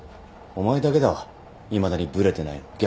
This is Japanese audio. お前だけだわいまだにブレてないの。